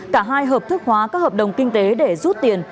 cả hai hợp thức hóa các hợp đồng kinh tế để rút tiền